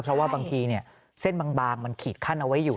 เพราะว่าบางทีเส้นบางมันขีดขั้นเอาไว้อยู่